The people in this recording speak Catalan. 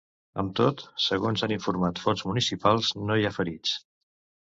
Amb tot, segons han informat fonts municipals, no hi ha ferits.